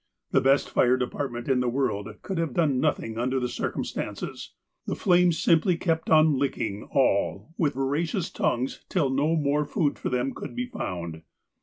The best fire department in the world could have done nothing, under the circumstances. The flames simply kei)t on licking all with voracious tongues till no more food for them could be found.